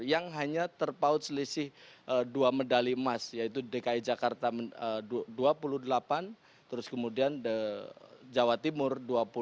yang hanya terpaut selisih dua medali emas yaitu dki jakarta dua puluh delapan terus kemudian jawa timur dua puluh delapan